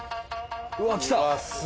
うわっ来た。